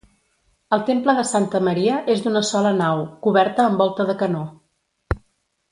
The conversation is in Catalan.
El temple de Santa Maria és d'una sola nau, coberta amb volta de canó.